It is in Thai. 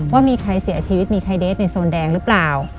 ว่ามีใครเสียชีวิตมีใครเดสในโซนแดงหรือเปล่า